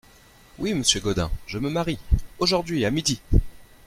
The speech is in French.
Oui, monsieur Gaudin, je me marie… aujourd’hui, à midi !